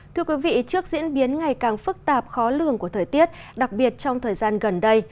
trước diễn biến ngày càng phức tạp khó lường của thời tiết đặc biệt trong thời gian gần đây